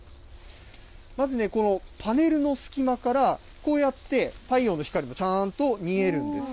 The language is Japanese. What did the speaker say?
まずね、このパネルの隙間から、こうやって太陽の光もちゃんと見えるんです。